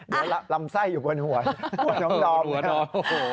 เดี๋ยวลำไส้อยู่บนหัวน้องดอมเหรอดอม